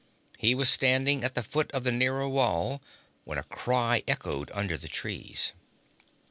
He was standing at the foot of the nearer wall when a cry echoed under the trees.